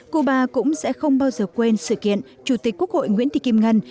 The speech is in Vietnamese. cuba cũng sẽ không bao giờ quên sự kiện chủ tịch quốc hội nguyễn thị kim ngân